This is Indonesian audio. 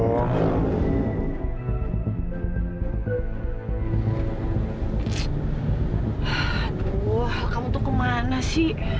aduh kamu tuh kemana sih